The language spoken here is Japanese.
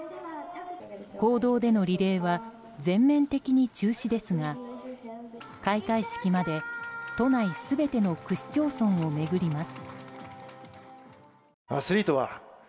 公道でのリレーは全面的に中止ですが開会式まで都内全ての区市町村を巡ります。